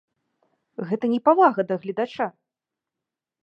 Гэта непавага да гледача!